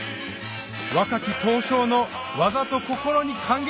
若き刀匠の技と心に感激！